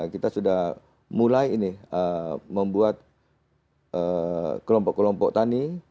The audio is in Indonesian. kita sudah mulai ini membuat kelompok kelompok tani